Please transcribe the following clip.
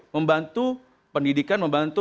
membantu pendidikan membantu